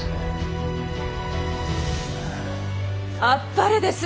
あっぱれです！